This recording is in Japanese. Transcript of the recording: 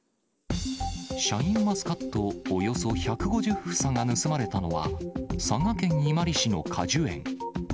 シャインマスカットおよそ１５０房が盗まれたのは、佐賀県伊万里市の果樹園。